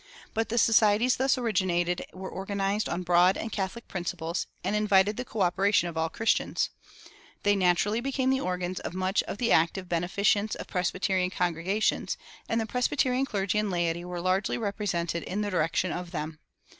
But the societies thus originated were organized on broad and catholic principles, and invited the coöperation of all Christians. They naturally became the organs of much of the active beneficence of Presbyterian congregations, and the Presbyterian clergy and laity were largely represented in the direction of them.